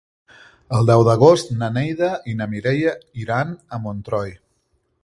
El deu d'agost na Neida i na Mireia iran a Montroi.